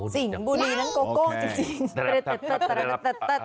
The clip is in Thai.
สิ่งบุรีนั้นโกโก้จริง